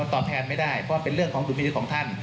ตอบแทนไม่ได้เพราะเป็นเรื่องของดุลพินิษฐ์ของท่าน